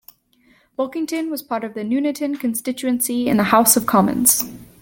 Bulkington was part of the Nuneaton constituency in the House of Commons.